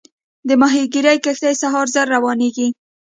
د ماهیګیري کښتۍ سهار زر روانېږي.